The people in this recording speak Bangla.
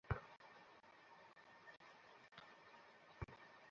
পৃথিবীতে কতটি মহাসাগর আছে?